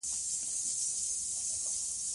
او له بې ځایه ګرانۍ څخه دمخنیوي غوښتنه کړې وه.